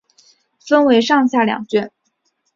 分为上下两卷。